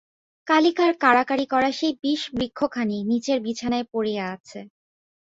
কালিকার কাড়াকাড়ি-করা সেই বিষবৃক্ষখানি নীচের বিছানায় পড়িয়া আছে।